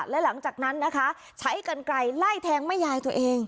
และหลังจากนั้นนะคะใช้กันไกลไล่แทงแม่ยายตัวเอง